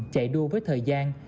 chạy đua với thời gian